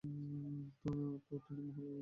তো টিনা মালহোত্রা।